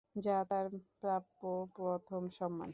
যা তার প্রাপ্ত প্রথম সম্মান।